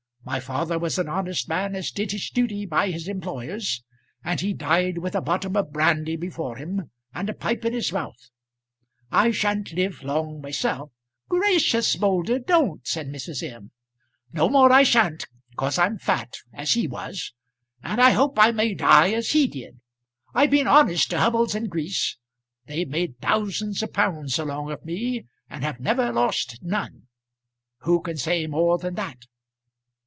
My father was an honest man as did his duty by his employers, and he died with a bottom of brandy before him and a pipe in his mouth. I sha'n't live long myself " "Gracious, Moulder, don't!" said Mrs. M. "No, more I sha'n't, 'cause I'm fat as he was; and I hope I may die as he did. I've been honest to Hubbles and Grease. They've made thousands of pounds along of me, and have never lost none. Who can say more than that?